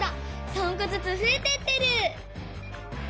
３こずつふえてってる！